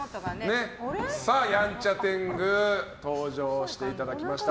やんちゃ天狗登場していただきました。